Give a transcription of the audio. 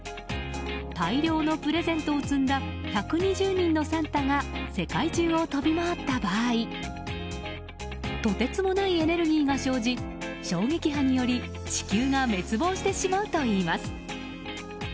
大量のプレゼントを積んだ１２０人のサンタが世界中を飛び回った場合とてつもないエネルギーが生じ衝撃波により地球が滅亡してしまうといいます。